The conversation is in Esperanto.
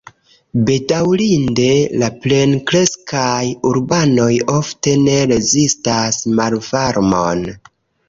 Bedaŭrinde la plenkreskaj urbanoj ofte ne rezistas malvarmon.